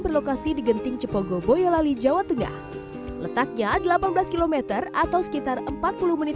berlokasi di genting cepogo boyolali jawa tengah letaknya delapan belas km atau sekitar empat puluh menit